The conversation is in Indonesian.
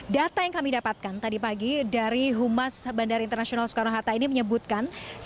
data yang kami dapatkan tadi pagi dari humas bandara internasional soekarno hatta ini menyebutkan